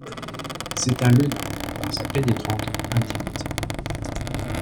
C'est un Lenain, par sa pénétrante intimité.